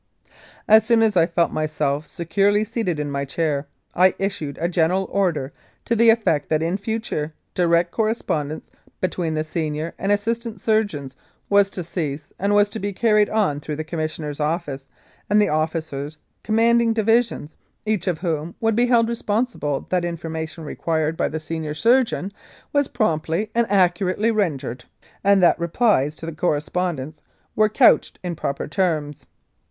As soon as I felt myself securely seated in my chair I issued a General Order to the effect that in future direct correspondence between the senior and assistant surgeons was to cease and was to be carried on through the Commissioner's office and the Officers Commanding Divisions, each of whom would be held responsible that information required by the senior surgeon was promptly and accurately rendered, and that replies to corre spondence were couched in proper terms.